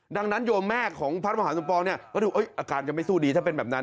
ดังนั้นโยมแม่ของพระมหาสมปองเนี่ยก็ดูอาการยังไม่สู้ดีถ้าเป็นแบบนั้น